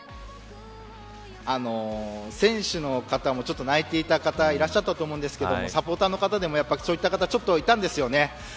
選手の方もちょっと泣いていた方いらっしゃったと思うんですけどサポーターの方でもそういった方ちょっといらっしゃったんですよね。